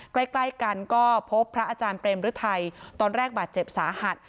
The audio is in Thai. ใกล้ใกล้กันก็พบพระอาจารย์เปรมฤทัยตอนแรกบาดเจ็บสาหัส